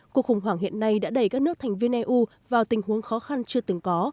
cuộc khủng hoảng hiện nay đã đẩy các nước thành viên eu vào tình huống khó khăn chưa từng có